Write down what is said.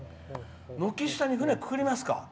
軒下に船をくくりますか。